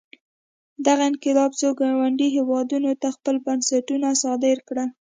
دغه انقلاب څو ګاونډیو هېوادونو ته خپل بنسټونه صادر کړل.